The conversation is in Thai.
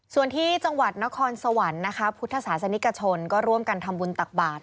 ส่วนที่จังหวัดนครสวรรค์นะคะพุทธศาสนิกชนก็ร่วมกันทำบุญตักบาท